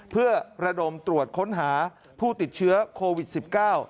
เพื่อระดมตรวจค้นหาผู้ติดเชื้อโควิดสิบเก้า